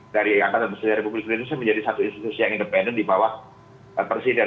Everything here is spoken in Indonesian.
dari angkatan presiden republik indonesia menjadi satu institusi yang independen di bawah presiden